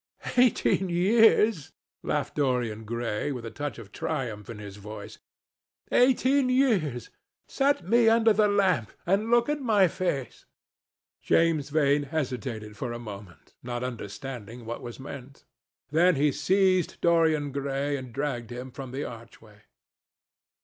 "Eighteen years," laughed Dorian Gray, with a touch of triumph in his voice. "Eighteen years! Set me under the lamp and look at my face!" James Vane hesitated for a moment, not understanding what was meant. Then he seized Dorian Gray and dragged him from the archway.